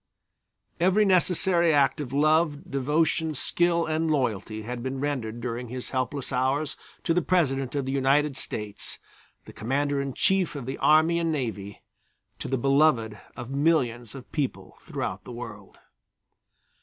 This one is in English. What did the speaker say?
Every necessary act of love, devotion, skill and loyalty had been rendered during his helpless hours to the President of the United States, the Commander in Chief of the Army and Navy, to the beloved of millions of people throughout the world.